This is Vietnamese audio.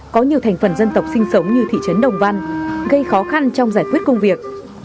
có nhiều thành phần dân tộc sinh sống như thị trấn đồng văn gây khó khăn trong giải quyết công việc